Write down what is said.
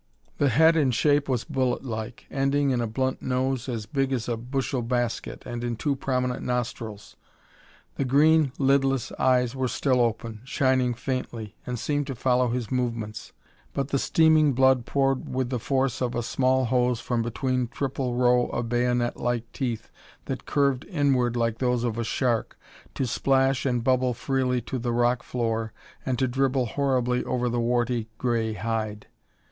The head in shape was bullet like, ending in a blunt nose as big as a bushel basket and in two prominent nostrils. The green, lidless eyes were still open, shining faintly, and seemed to follow his movements, but the steaming blood poured with the force of a small hose from between triple row of bayonetlike teeth that curved inward like those of a shark, to splash and bubble freely to the rock floor and to dribble horribly over the warty, gray hide.